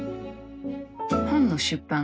本の出版